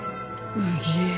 うげえ。